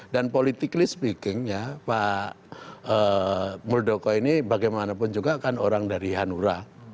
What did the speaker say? dan politically speaking ya pak muldoko ini bagaimanapun juga kan orang dari hanura